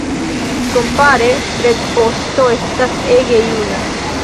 Kompare, retpoŝto estas ege juna.